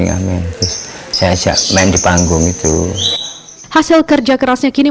apakah ini bisa menjadikan badai panggung jani byzantin pada terataknya